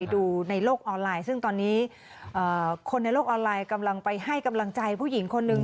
ดูในโลกออนไลน์ซึ่งตอนนี้คนในโลกออนไลน์กำลังไปให้กำลังใจผู้หญิงคนหนึ่ง